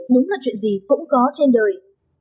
đúng là chuyện gì cũng có trên đời